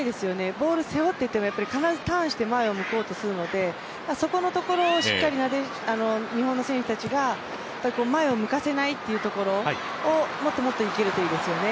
ボール背負っていても、必ずターンして前を向こうとするので、そこのところ、しっかり日本の選手たちが前を向かせないというところをもっともっと生きるといいですよね。